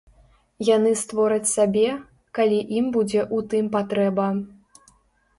Яны створаць сабе, калі ім будзе ў тым патрэба.